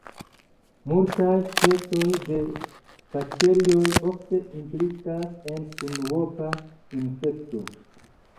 Multaj specoj de bakterioj ofte implikas en unuopa infekto.